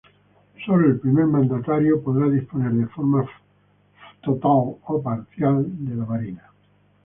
Solo el primer mandatario podrá disponer de forma total o parcial de la Marina.